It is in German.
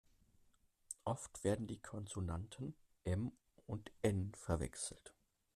Oft werden die Konsonanten M und N verwechselt.